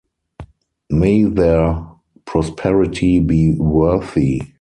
May their prosperity be worthy.